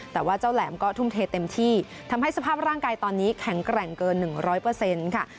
แต่ว่าเจ้าแหลมก็ทุ่มเทเต็มที่ทำให้สภาพร่างกายตอนนี้แข็งแกร่งเกิน๑๐๐ค่ะ